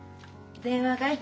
電話がい？